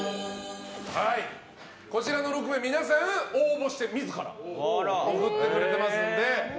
こちらの６名皆さん応募して、自ら送ってくれてますので。